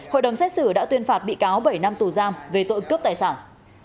hội đồng xét xử đã tuyên phạt bị cáo bảy năm tù giam về tội cướp tài sản